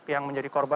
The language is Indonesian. yang menjadi korban